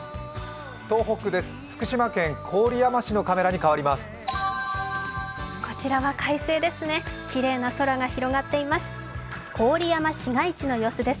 東北です、福島県郡山市のカメラに変わります。